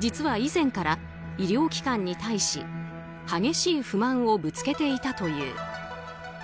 実は以前から医療機関に対し激しい不満をぶつけていたという。